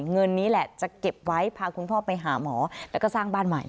เงินนี้แหละจะเก็บไว้พาคุณพ่อไปหาหมอแล้วก็สร้างบ้านใหม่